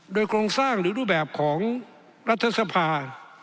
โดยโครงสร้างหรือรูปแบบของรัฐสภา